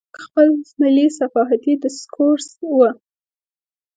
زموږ خپل ملي صحافتي ډسکورس و.